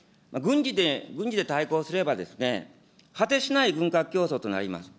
軍事で対抗すればですね、果てしない軍拡競争となります。